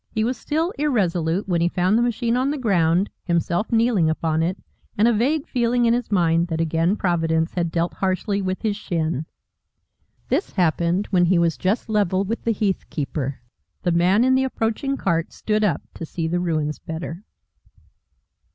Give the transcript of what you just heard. He was still irresolute when he found the machine on the ground, himself kneeling upon it, and a vague feeling in his mind that again Providence had dealt harshly with his shin. This happened when he was just level with the heathkeeper. The man in the approaching cart stood up to see the ruins better.